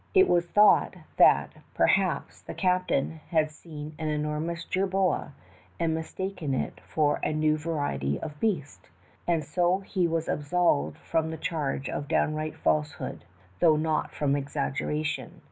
It was thought that, perhaps, the captain had seen an enormous jerboa, and mistaken it for a new variety of beast, and so he was absolved from the charge of downright falsehood, though not from exaggeration.